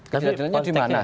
ketidakadilannya di mana